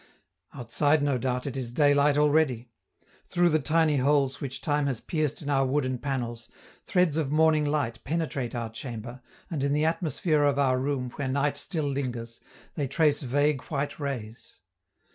Outside, no doubt, it is daylight already: through the tiny holes which time has pierced in our wooden panels, threads of morning light penetrate our chamber, and in the atmosphere of our room where night still lingers, they trace vague white rays.